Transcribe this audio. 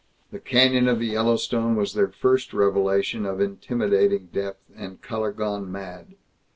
The Canyon of the Yellowstone was their first revelation of intimidating depth and color gone mad.